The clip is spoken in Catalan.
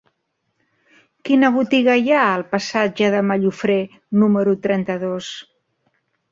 Quina botiga hi ha al passatge de Mallofré número trenta-dos?